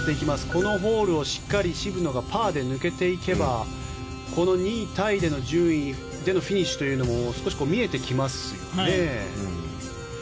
このホールをしっかり渋野がパーで抜けていけばこの２位タイでの順位でのフィニッシュというのも少し見えてきますよね。